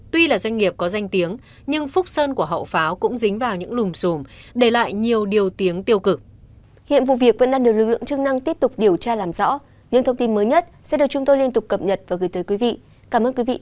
tuy là doanh nghiệp có danh tiếng nhưng phúc sơn của hậu pháo cũng dính vào những lùm xùm để lại nhiều điều tiếng tiêu cực